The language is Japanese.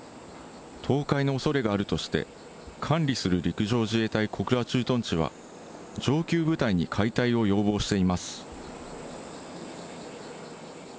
倒壊のおそれがあるとして、管理する陸上自衛隊小倉駐屯地は、上級部隊に解体を要望しています。